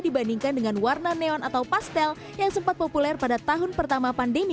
dibandingkan dengan warna neon atau pastel yang sempat populer pada tahun pertama pandemi